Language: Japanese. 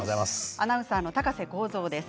アナウンサーの高瀬耕造です。